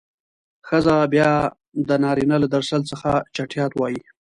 ښځه بيا د نارينه له درشل څخه چټيات وايي.